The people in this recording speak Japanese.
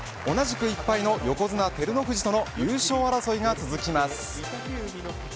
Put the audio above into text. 同じく１敗の横綱、照ノ富士との優勝争いが続きます。